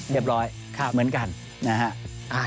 เรียบร้อยเหมือนกันนะฮะ